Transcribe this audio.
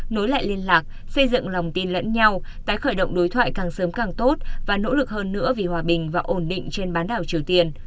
nối lại liên lạc xây dựng lòng tin lẫn nhau tái khởi động đối thoại càng sớm càng tốt và nỗ lực hơn nữa vì hòa bình và ổn định trên bán đảo triều tiên